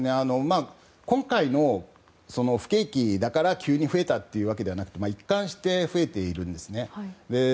今回、不景気だから急に増えたわけではなくて一貫して増えているんですね。